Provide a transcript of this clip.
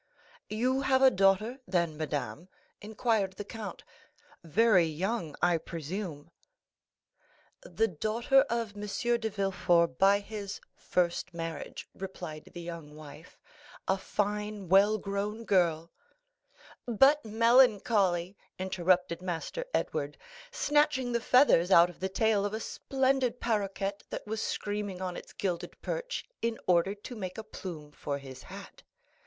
"You have a daughter, then, madame?" inquired the count; "very young, I presume?" "The daughter of M. de Villefort by his first marriage," replied the young wife, "a fine well grown girl." "But melancholy," interrupted Master Edward, snatching the feathers out of the tail of a splendid paroquet that was screaming on its gilded perch, in order to make a plume for his hat.